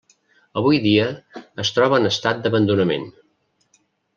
Avui dia es troba en estat d'abandonament.